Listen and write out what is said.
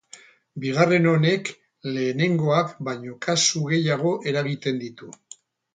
Bigarren honek lehenengoak baino kasu gehiago eragiten ditu.